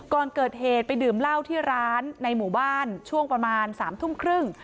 ก่อนเกิดเหตุไปดื่มเหล้าที่ร้านในหมู่บ้านช่วงประมาณ๓ทุ่มครึ่ง